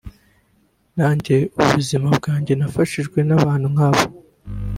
nanjye ubuzima bwanjye nafashijwe n’ abantu nk’abo